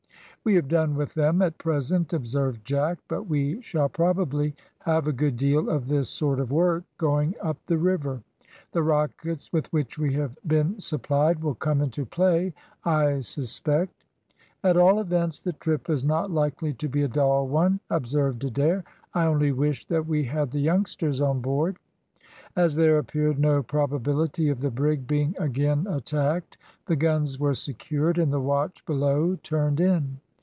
"We have done with them at present," observed Jack; "but we shall probably have a good deal of this sort of work going up the river. The rockets with which we have been supplied will come into play, I suspect." "At all events the trip is not likely to be a dull one," observed Adair; "I only wish that we had the youngsters on board." As there appeared no probability of the brig being again attacked, the guns were secured, and the watch below turned in.